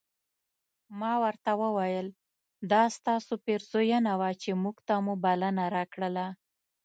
ما ورته وویل دا ستاسو پیرزوینه وه چې موږ ته مو بلنه راکړله.